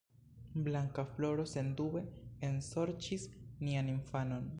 Bankafloro sendube ensorĉis nian infanon.